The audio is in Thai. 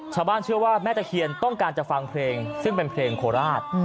ชาวบ้านเชื่อว่าแม่ตะเคียนต้องการจะฟังเพลงซึ่งเป็นเพลงโคราช